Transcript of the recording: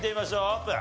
オープン。